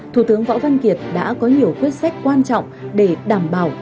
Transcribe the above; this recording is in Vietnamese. thủ tướng võ văn kiệt đã có nhiều quyết sách quan trọng để đảm bảo